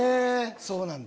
そうなんだ。